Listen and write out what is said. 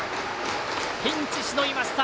ピンチしのぎました。